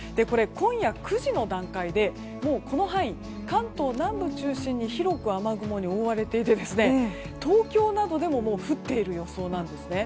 今夜９時の段階で関東南部中心に広く雨雲に覆われていて東京などでももう降っている予想なんです。